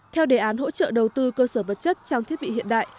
theo đề án hỗ trợ đầu tư cơ sở vật chất trang thiết bị hiện đại